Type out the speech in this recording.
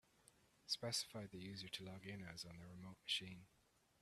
Specify the user to log in as on the remote machine.